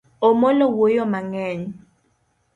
Omolo wuoyo mang'eny.